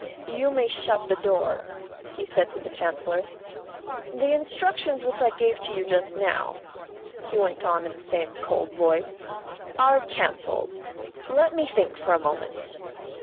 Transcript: "You may shut the door," he said to the Chancellor. "The instructions which I gave to you just now," he went on in the same cold voice, "are cancelled. Let me think for a moment."